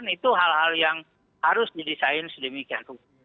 itu hal hal yang harus didesain sedemikian rupa